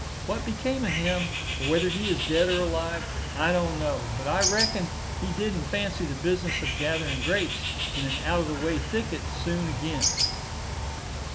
What become of him, or whether he is dead or alive, I don't know; but I reckon he did'ent fancy the business of gathering grapes in an out of the way thicket soon again.